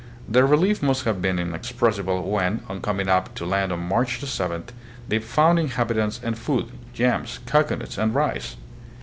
Their relief must have been inexpressible when, on coming up to land on March the 7th, they found inhabitants and food, yams, cocoanuts, and rice.